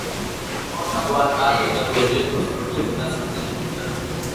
Kontuan hartu datu horiek errubriketan sartzen dituztela.